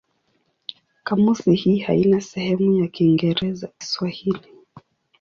Kamusi hii haina sehemu ya Kiingereza-Kiswahili.